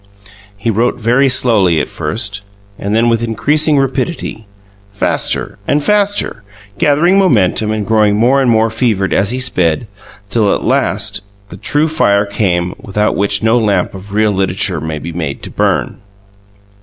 He wrote very slowly at first, and then with increasing rapidity; faster and faster, gathering momentum and growing more and more fevered as he sped, till at last the true fire came, without which no lamp of real literature may be made to burn.